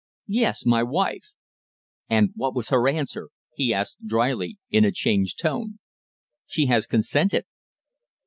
"Yes, my wife." "And what was her answer?" he asked dryly, in a changed tone. "She has consented."